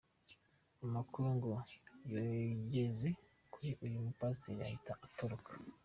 Amakuru ngo yageze kuri uyu mupasiteri ahita atoroka.